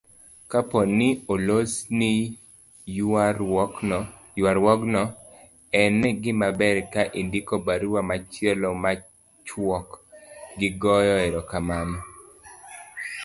Kapo ni olosni ywaruokno, en gimaber ka indiko barua machielo machuok kigoyonego erokamano